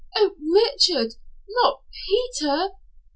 Oh, Richard not Peter!"